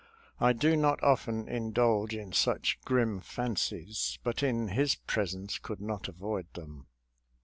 I do not often indulge in such grim fancies, but in his presence could not avoid them.